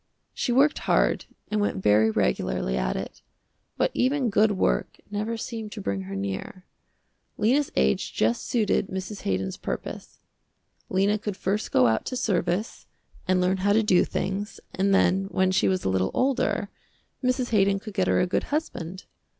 She worked hard and went very regularly at it, but even good work never seemed to bring her near. Lena's age just suited Mrs. Haydon's purpose. Lena could first go out to service, and learn how to do things, and then, when she was a little older, Mrs. Haydon could get her a good husband.